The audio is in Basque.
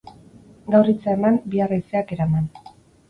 Gaur hitza eman, bihar haizeak eraman.